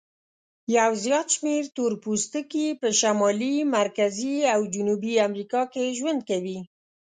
یو زیات شمیر تور پوستکي په شمالي، مرکزي او جنوبي امریکا کې ژوند کوي.